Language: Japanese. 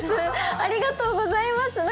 ありがとうございます。